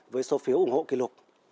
với số phiếu ủng hộ kỷ lục